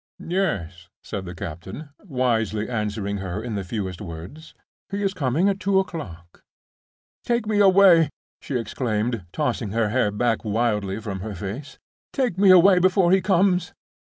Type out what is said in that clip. "Yes," said the captain, wisely answering her in the fewest words. "He is coming at two o'clock." "Take me away!" she exclaimed, tossing her hair back wildly from her face. "Take me away before he comes.